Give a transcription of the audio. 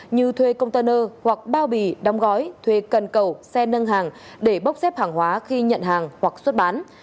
như thuê container hoặc bao bì đong gói thuê cần cầu xe nâng hàng để bốc xếp hàng hóa khi nhận hàng hoặc xuất bán